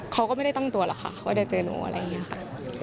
เขาก็ไม่ได้ตั้งตัวหรอกค่ะว่าจะเจอหนูอะไรอย่างนี้ค่ะ